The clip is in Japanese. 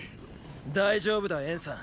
大丈夫だ渕さん。